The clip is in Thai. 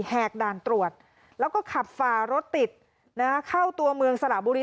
แหกด่านตรวจแล้วก็ขับฝ่ารถติดเข้าตัวเมืองสระบุรี